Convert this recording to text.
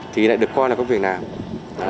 thì lại được coi là có việc nào